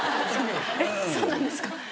そうなんですか？